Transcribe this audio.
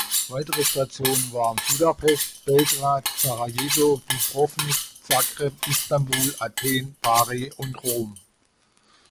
Weitere Stationen waren Budapest, Belgrad, Sarajevo, Dubrovnik, Zagreb, Istanbul, Athen, Bari und Rom.